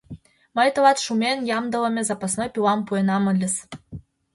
— Мый тылат шумен ямдылыме запасной пилам пуэнам ыльыс.